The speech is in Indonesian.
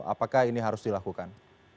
apakah ini harus dilakukan